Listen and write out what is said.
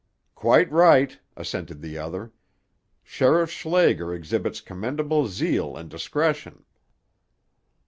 "Quite right," assented the other. "Sheriff Schlager exhibits commendable zeal and discretion."